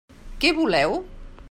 Què voleu?